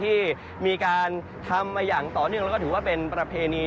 ที่มีการทำมาอย่างต่อเนื่องแล้วก็ถือว่าเป็นประเพณี